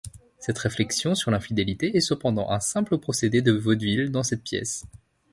Cette réflexion sur l'infidélité est cependant un simple procédé de vaudeville, dans cette pièce.